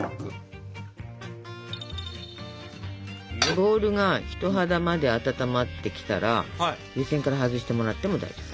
ボウルが人肌まで温まってきたら湯せんから外してもらっても大丈夫。